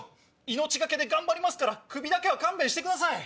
命懸けで頑張りますからクビだけは勘弁してください！